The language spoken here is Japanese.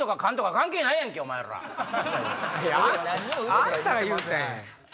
あんたが言うたんや。